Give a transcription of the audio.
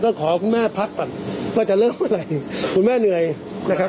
ก็ขอคุณแม่พักก่อนว่าจะเริ่มเมื่อไหร่คุณแม่เหนื่อยนะครับ